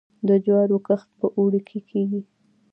د جوارو کښت په اوړي کې کیږي.